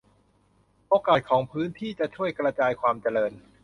โอกาสของพื้นที่จะช่วยกระจายความเจริญ